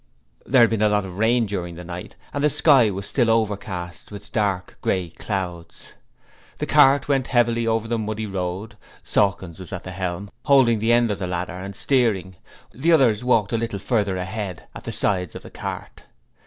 There had been a lot of rain during the night, and the sky was still overcast with dark grey clouds. The cart went heavily over the muddy road; Sawkins was at the helm, holding the end of the ladder and steering; the others walked a little further ahead, at the sides of the cart.